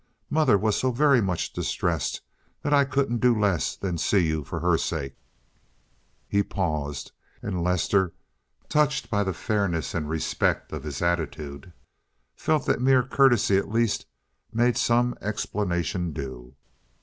Mother was so very much distressed that I couldn't do less than see you for her sake"—he paused, and Lester, touched by the fairness and respect of his attitude, felt that mere courtesy at least made some explanation due.